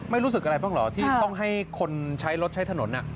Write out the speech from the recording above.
รู้สึกอะไรบ้างเหรอที่ต้องให้คนใช้รถใช้ถนน